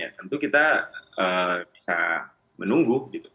tentu kita bisa menunggu